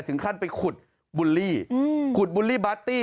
ถึงขั้นไปขุดบูลลี่ขุดบูลลี่ปาร์ตี้